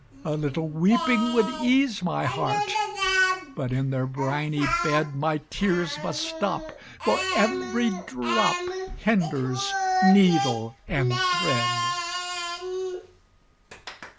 A little weeping would ease my heart, But in their briny bed My tears must stop, for every drop Hinders needle and thread!"